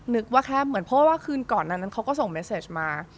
นึกว่าแค่เหมือนเพราะว่าคืนก่อนนั้นเขาก็ส่งเมสเซจมา